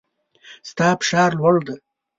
ستا فشار لوړ دی